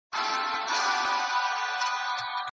ماشوم په زانګو کي بېدېدی.